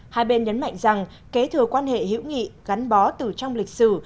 hai bên nhấn mạnh rằng kế thừa quan hệ hữu nghị gắn bó từ trong lịch sử